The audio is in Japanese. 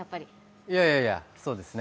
いやいやいやそうですね。